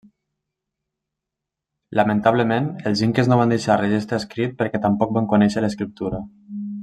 Lamentablement, els inques no van deixar registre escrit perquè tampoc van conèixer l'escriptura.